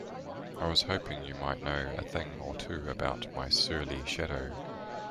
I was hoping you might know a thing or two about my surly shadow?